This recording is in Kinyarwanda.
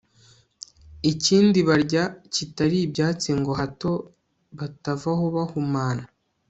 ikindi barya kitari ibyatsi ngo hato batava aho bahumana